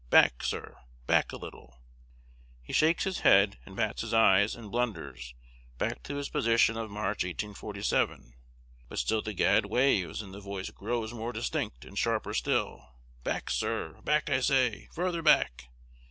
"Back, sir!" "Back a little!" He shakes his head, and bats his eyes, and blunders back to his position of March, 1847; but still the gad waves, and the voice grows more distinct, and sharper still, "Back, sir!" "Back, I say!" "Further back!"